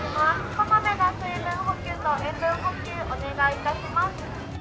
こまめな水分補給と塩分補給お願いいたします。